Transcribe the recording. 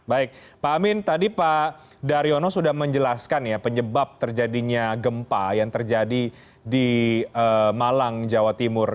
baik pak amin tadi pak daryono sudah menjelaskan ya penyebab terjadinya gempa yang terjadi di malang jawa timur